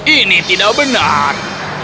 ini tidak benar